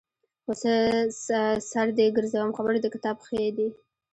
خو څه سر دې ګرځوم خبرې د کتاب ښې دي.